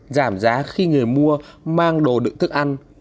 giảm giá khi người mua mang đồ đựng thức ăn